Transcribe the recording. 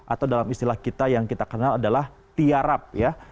atau dalam istilah kita yang kita kenal adalah tiarap ya